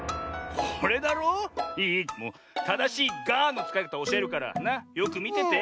ただしいガーンのつかいかたをおしえるからよくみてて。